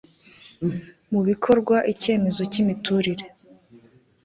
mu bikorwa ikemezo k' imiturire